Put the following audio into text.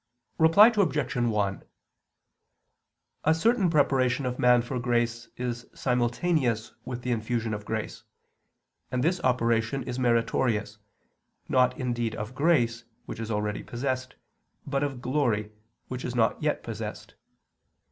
Reply Obj. 1: A certain preparation of man for grace is simultaneous with the infusion of grace; and this operation is meritorious, not indeed of grace, which is already possessed but of glory which is not yet possessed.